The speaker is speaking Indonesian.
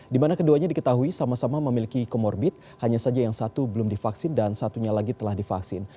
di mana keduanya diketahui sama sama memiliki comorbid hanya saja yang satu belum divaksin dan satunya lagi telah divaksin